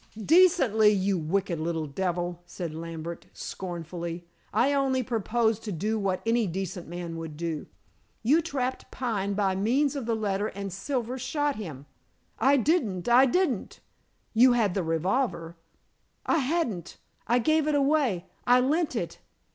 "Decently, you wicked little devil," said Lambert scornfully. "I only propose to do what any decent man would do. You trapped Pine by means of the letter, and Silver shot him." "I didn't! I didn't!" "You had the revolver!" "I hadn't. I gave it away! I lent it!"